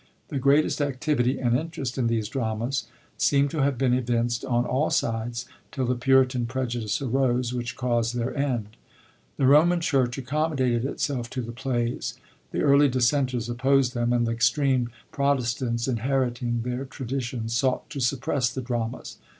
The greatest activity and interest in these dramas seem to have been evinced on all sides, till the Puritan prejudice arose which caused their end. The Roman church accommodated itself to the plays; the early Dissenters opposed them, and the extreme Protestants, inheriting their traditions, sought to suppress the dramas.